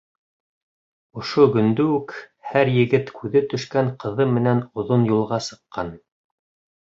Ошо көндө үк һәр егет күҙе төшкән ҡыҙы менән оҙон юлға сыҡҡан.